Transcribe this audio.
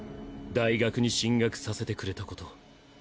大学に進学させてくれたこと。